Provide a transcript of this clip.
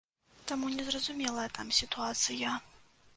Таму, незразумелая там сітуацыя.